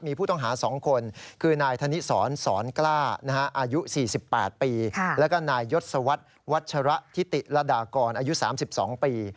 มีผู้ต้องหา๒คนคือนายธนิสรสอนกล้าอายุ๔๘ปีแล้วก็นายยศวรรษวัชระทิติระดากรอายุ๓๒ปี